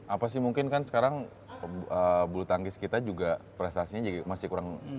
apa sih mungkin kan sekarang bulu tangkis kita juga prestasinya masih kurang